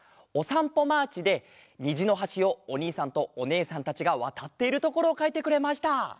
「おさんぽマーチ」でにじのはしをおにいさんとおねえさんたちがわたっているところをかいてくれました。